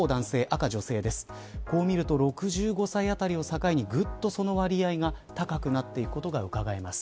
こう見ると、６５歳あたりを境にぐっとその割合が高くなっていくことがうかがえます。